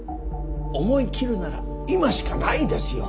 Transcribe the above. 思い切るなら今しかないですよ。